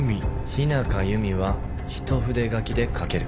「日中弓」は一筆書きで書ける。